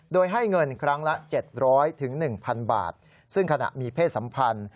โดยให้เงินครั้งละ๗๐๐๑๐๐บาทซึ่งขณะมีเพศสัมพันธ์